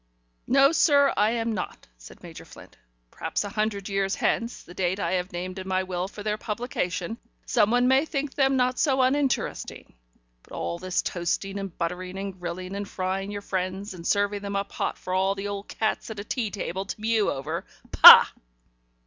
"No, sir, I am not," said Major Flint. "Perhaps a hundred years hence the date I have named in my will for their publication someone may think them not so uninteresting. But all this toasting and buttering and grilling and frying your friends, and serving them up hot for all the old cats at a tea table to mew over Pah!"